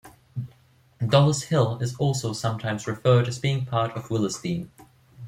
Dollis Hill is also sometimes referred as being part of Willesden.